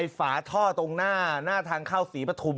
ไอ้ฝาท่อตรงหน้าหน้าทางเข้าศรีปฐุม